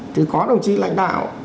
thì có đồng chí lãnh đạo